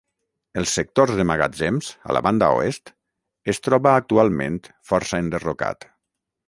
Els sectors de magatzems, a la banda oest, es troba actualment força enderrocat.